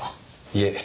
いえ。